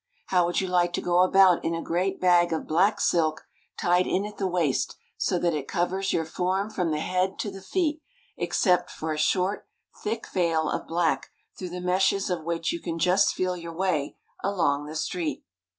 How would you like to go about in a great bag of black silk tied in at the waist so that it covers your form from the head to the feet except for a short, thick veil of black through the meshes of which you can just feel your way along the street?